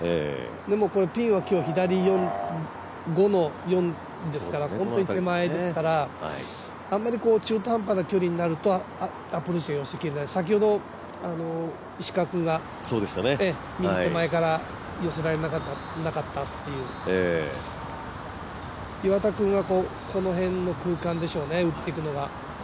でもピンは左寄り５の４ですから本当に手前ですからあまり中途半端な距離になるとアプローチがうまくできない、先ほど石川君が右手前から寄せられなかったっていう、岩田君がこの辺の空間でしょうね打っていくのが。